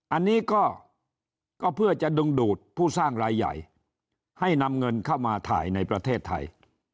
อันนี้ก็เพื่อจะดึงดูดผู้สร้างรายใหญ่ให้นำเงินเข้ามาถ่ายในประเทศไทย